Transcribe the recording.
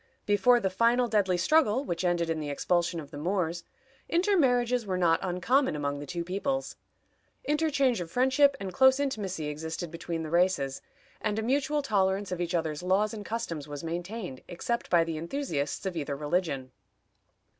Before the final deadly struggle which ended in the expulsion of the Moors, intermarriages were not uncommon among the two peoples. Interchange of friendship and close intimacy existed between the races, and a mutual tolerance of each other's laws and customs was maintained, except by the enthusiasts of either religion.